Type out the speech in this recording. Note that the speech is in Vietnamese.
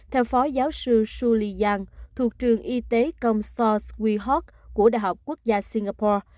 theo phó giáo sư shuli yang thuộc trường y tế công so s weehawks của đại học quốc gia singapore